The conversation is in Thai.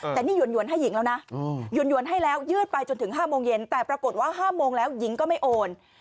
แต่นี่หวนให้หญิงแล้วนะหยวนให้แล้วยืดไปจนถึง๕โมงเย็นแต่ปรากฏว่า๕โมงแล้วหญิงก็ไม่โอน